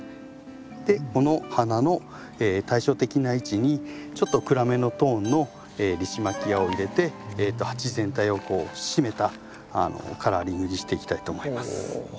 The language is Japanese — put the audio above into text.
この花の対称的な位置にちょっと暗めのトーンのリシマキアを入れて鉢全体を締めたカラーリングにしていきたいと思います。